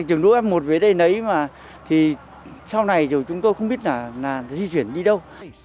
trường đua f một về đây nấy mà thì sau này rồi chúng tôi không biết là di chuyển đi đâu